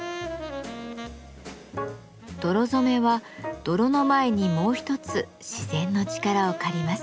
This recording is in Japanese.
泥染めは泥の前にもう一つ自然の力を借ります。